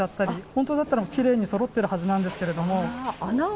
本当だったらきれいにそろってるはずなんですけど。